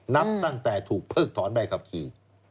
นับตั้งแต่ถูกเพิกถอนใบขับขี่